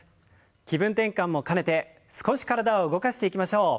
気分転換も兼ねて少し体を動かしていきましょう。